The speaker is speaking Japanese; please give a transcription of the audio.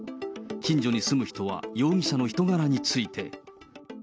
近所に住む人は、容疑者の人柄について。